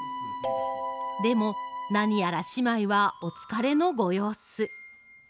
でも、何やら姉妹はお疲れのご様子。